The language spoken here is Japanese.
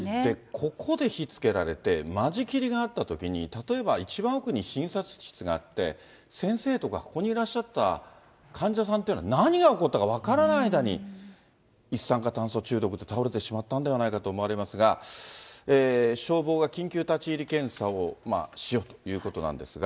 ここで火をつけられて、間仕切りがあったときに、例えば一番奥に診察室があって、先生とか、ここにいらっしゃった、患者さんというのは何が起こったか分からない間に、一酸化炭素中毒で倒れてしまったんではないかと思われますが、消防が緊急立ち入り検査をしようということなんですが。